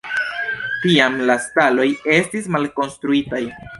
Tiam la staloj estis malkonstruitaj.